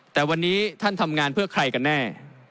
แต่วันนี้ท่านทำงานเพื่อใครกันแน่